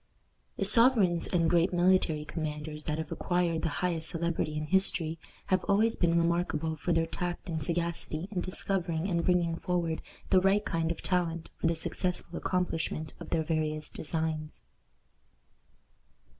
The sovereigns and great military commanders that have acquired the highest celebrity in history have always been remarkable for their tact and sagacity in discovering and bringing forward the right kind of talent for the successful accomplishment of their various designs.